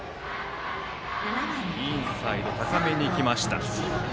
インサイド高めに来ました。